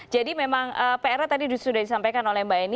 jadi memang pr nya tadi sudah disampaikan oleh mbak eni